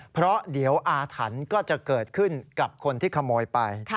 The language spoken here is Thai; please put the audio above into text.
เพราะเดี๋ยวอาถรรพ์ก็จะเกิดขึ้นกับคนที่ขโมยไป